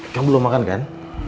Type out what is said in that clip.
kamu belum makan kan